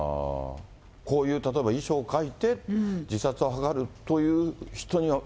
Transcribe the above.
こういう例えば遺書を書いて自殺を図るという人には縁遠い？